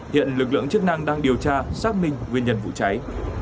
hiện lực lượng chức năng đang điều tra xác minh nguyên nhân vụ cháy